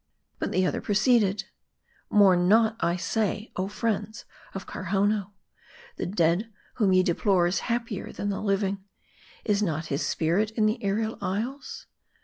But the other proceeded " Mourn not, I say, oh friends of Karhownoo ; the dead whom ye deplore is happier than the living ; is not his spirit in the aerial isles